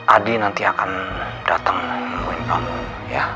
adi nanti akan dateng nungguin kamu ya